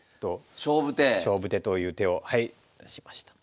勝負手という手をはい出しました。